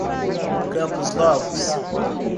Campos Novos